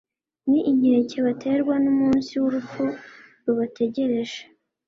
ni inkeke baterwa n'umunsi w'urupfu rubategereje